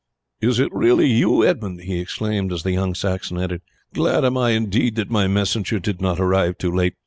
"Is it really you, Edmund?" he exclaimed as the young Saxon entered. "Glad am I indeed that my messenger did not arrive too late.